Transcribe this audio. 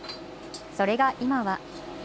それが今は。